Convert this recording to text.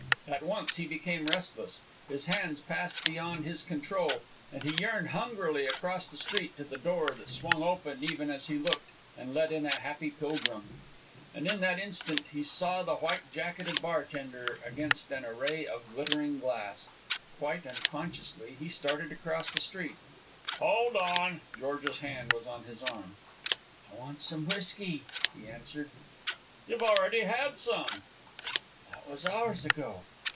At once he became restless. His hands passed beyond his control, and he yearned hungrily across the street to the door that swung open even as he looked and let in a happy pilgrim. And in that instant he saw the white jacketed bartender against an array of glittering glass. Quite unconsciously he started to cross the street. "Hold on." George's hand was on his arm. "I want some whisky," he answered. "You've already had some." "That was hours ago.